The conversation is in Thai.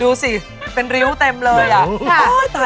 ดูสิเป็นริ้วเต็มเลยอ่ะ